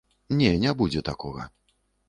Не, не будзе такога.